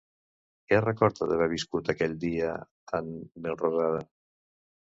Què recorda d'haver viscut aquell dia en Melrosada?